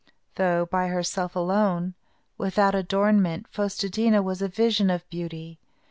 Though by herself alone, without adornment, Fos te dí na was a vision of beauty.